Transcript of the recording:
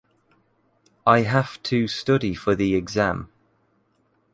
I have to study for the exam.